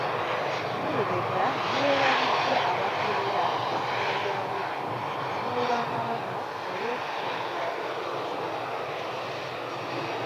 Nalubega yeebazizza abakulira essaza lye Buddu n'Obwakabaka olw'okutumbula embeera z'abantu.